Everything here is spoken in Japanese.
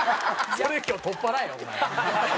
それ今日取っ払えお前。